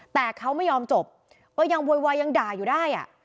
แต่เขาไม่ยอมจบก็ยังโวยวายยังด่าอยู่ได้